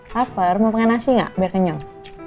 kaper mau pake nasi gak biar kenyang